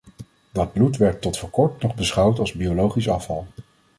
Dat bloed werd tot voor kort nog beschouwd als biologisch afval.